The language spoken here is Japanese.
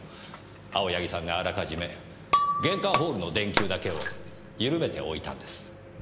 青柳さんがあらかじめ玄関ホールの電球だけを緩めておいたんです。